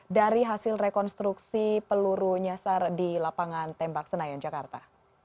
dari hasil rekonstruksi peluru nyasar di lapangan tembak senayan jakarta